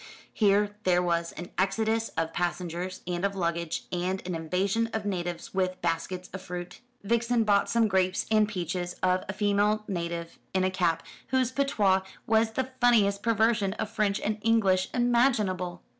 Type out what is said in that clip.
Here there was an exodus of passengers, and of luggage, and an invasion of natives with baskets of fruit. Vixen bought some grapes and peaches of a female native in a cap, whose patois was the funniest perversion of French and English imaginable.